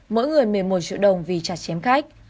mỗi người một mươi một triệu đồng vì chặt chém khách